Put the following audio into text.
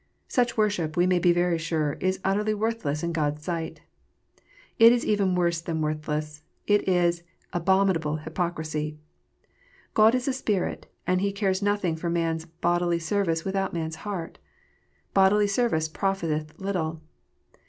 Such worship, we may be very sure, is utterly worthless in God s sight. It is even worse than worthless : it is abominable hypocrisy. God is a Spirit, and He cares nothing for man s bodily service without man s heart. Bodily service profiteth little.